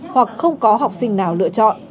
hoặc không có học sinh nào lựa chọn